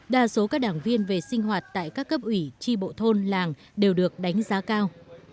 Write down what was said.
đa số các đảng viên về sinh hoạt tại các cấp ủy tri bộ thôn làng đều được đánh giá cao